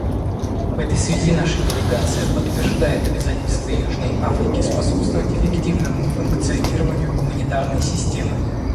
В этой связи наша делегация подтверждает обязательство Южной Африки способствовать эффективному функционированию гуманитарной системы.